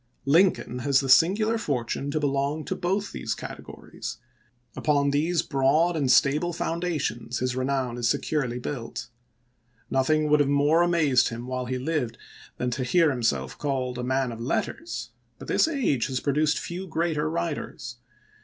Lincoln has the singular fortune to belong to both these categories ; upon these broad and stable foundations his renown is securely built. Nothing would have more amazed him while he lived than to hear himself called a man of letters ; but this age has produced few greater writers.